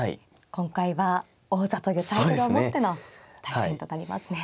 今回は王座というタイトルを持っての対戦となりますね。